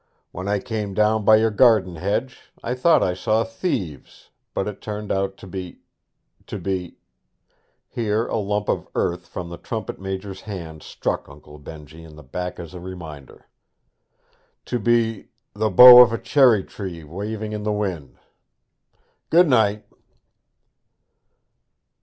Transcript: When I came down by your garden hedge, I thought I saw thieves, but it turned out to be to be ' Here a lump of earth from the trumpet major's hand struck Uncle Benjy in the back as a reminder. 'To be the bough of a cherry tree a waving in the wind. Good night.'